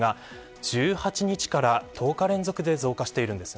１８日から１０日連続で増加しているんです。